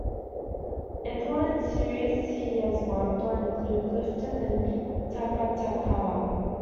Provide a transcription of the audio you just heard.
Important series he has worked on include "Clifton" and "Taka Takata".